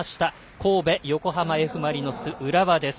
神戸、横浜Ｆ・マリノス浦和です。